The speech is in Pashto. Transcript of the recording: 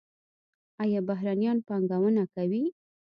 آیا بهرنیان پانګونه کوي؟